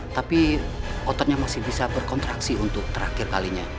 tapi ototnya masih bisa berkontraksi untuk terakhir kalinya